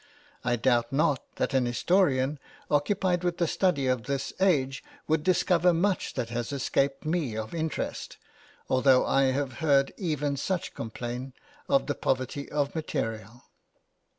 I doubt not that an historian, occupied with the study of this age, would discover much that has escaped me of interest, although I have heard even such complain of the poverty of material.